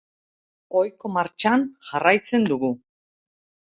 Ohiko martxan jarraitzen dugu.